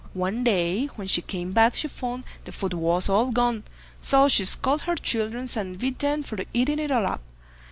One day when she came back she found the food was all gone, so she scolded her children, and beat them for eating it all up.